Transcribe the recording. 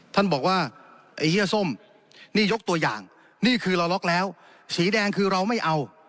ท่านบอกว่าไอ้เฮียส้มนี่ยกตัวอย่างนี่คือเราล็อกแล้วสีแดงคือเราไม่เอา